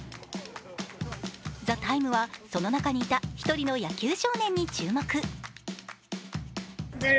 「ＴＨＥＴＩＭＥ，」はその中にいた一人の野球少年に注目。